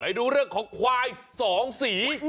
ไหนดูเรื่องของควาย๒สี